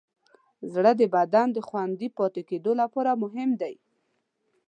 زړه د بدن د خوندي پاتې کېدو لپاره مهم دی.